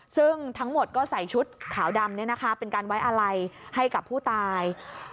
ซึ่งทั้งหมดก็ใส่ชุดขาวดำเป็นการไว้อะไรให้กับผู้ตาย